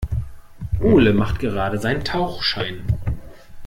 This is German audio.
Ole macht gerade seinen Tauchschein.